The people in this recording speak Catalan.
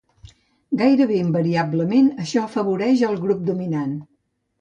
Gairebé invariablement això afavoreix al grup dominant.